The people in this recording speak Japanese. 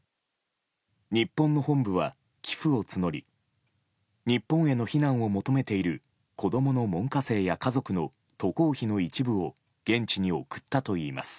日本の本部は寄付を募り日本への避難を求めている子供の門下生や家族の渡航費の一部を現地に送ったといいます。